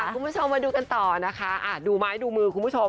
คุณผู้ชมมาดูกันต่อนะคะดูไม้ดูมือคุณผู้ชม